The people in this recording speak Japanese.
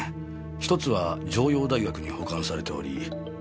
１つは城陽大学に保管されておりもう１つは。